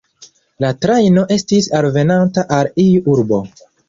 La trajno estis alvenanta al iu urbo.